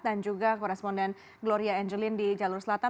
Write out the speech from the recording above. dan juga koresponden gloria angelin di jalur selatan